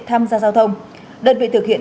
tham gia giao thông đơn vị thực hiện